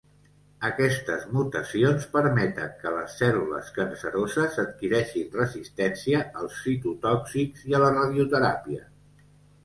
Aquestes mutacions permeten que les cèl·lules canceroses adquireixin resistència als citotòxics i a la radioteràpia.